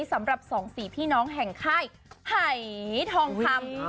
สำหรับสองสี่พี่น้องแห่งค่ายไห่ทองคำ